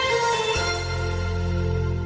โปรดติดตามตอนต่อไป